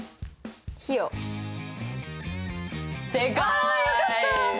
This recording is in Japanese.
あよかった。